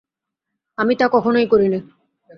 আমি তা কখনোই করি নে।